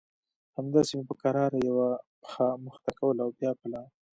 همداسې مې په کراره يوه پښه مخته کوله او بيا بله.